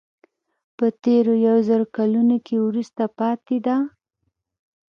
په تېرو یو زر کلونو کې وروسته پاتې ده.